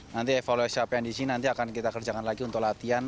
nanti evaluasi apa yang di sini nanti akan kita kerjakan lagi untuk latihan